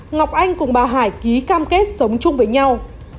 ngọc anh cùng bà hải ký cam kết sống chung với nhau